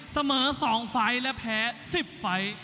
เสมอ๒ฟ้ายและแพ้๑๐ฟ้าย